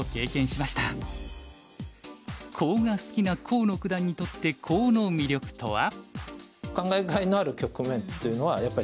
コウが好きな河野九段にとってコウの魅力とは？